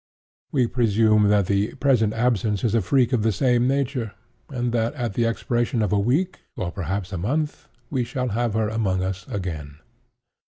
We presume that the present absence is a freak of the same nature, and that, at the expiration of a week, or perhaps of a month, we shall have her among us again."